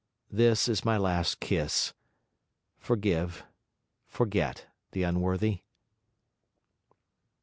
This is my last kiss. Forgive, forget the unworthy.'